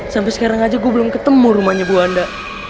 sampai sekarang aja gue belum ketemu rumahnya bu anda